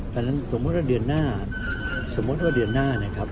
ดังนั้นสมมุติว่าเดือนหน้าสมมุติว่าเดือนหน้านะครับ